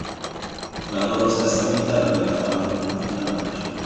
La loro stessa vita era legata alla luna fin dalla nascita.